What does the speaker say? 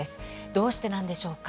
どうしてなのでしょうか。